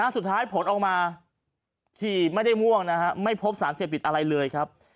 สุดท้ายผลออกมาขี่ไม่ได้ม่วงนะฮะไม่พบสารเสพติดอะไรเลยครับ